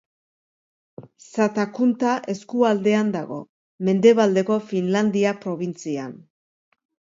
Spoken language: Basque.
Satakunta eskualdean dago, Mendebaldeko Finlandia probintzian.